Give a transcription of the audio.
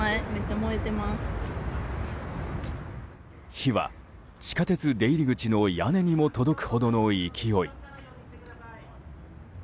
火は地下鉄出入り口の屋根にも届くほどの勢い。